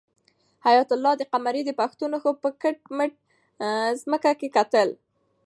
حیات الله د قمرۍ د پښو نښو ته په کټ مټه ځمکه کې کتل.